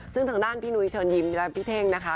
ซึ่งทางด้านพี่นุ้ยเชิญยิ้มและพี่เท่งนะคะ